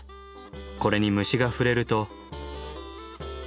これに虫が触れると。